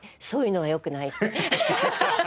そういうのは良くないって。